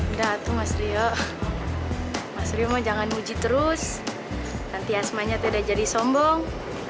udah atuh mas rio mas rio mau jangan muji terus nanti asmanya tuh udah jadi sombong